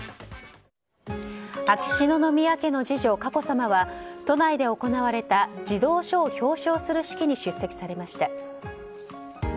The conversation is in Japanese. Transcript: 秋篠宮家の次女・佳子さまは都内で行われた児童書を表彰する式に出席されました。